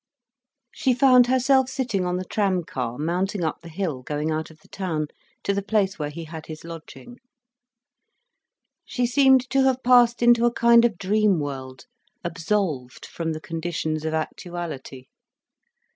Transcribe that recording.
She found herself sitting on the tram car, mounting up the hill going out of the town, to the place where he had his lodging. She seemed to have passed into a kind of dream world, absolved from the conditions of actuality.